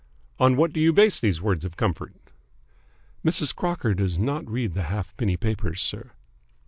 "On what do you base these words of comfort?" "Mrs. Crocker does not read the halfpenny papers, sir."